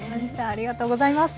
ありがとうございます。